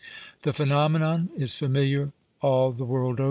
The phenomenon is familiar all the world over.